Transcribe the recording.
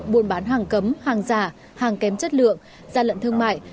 buôn bán hàng cấm hàng giả hàng kém chất lượng gian lận thương mại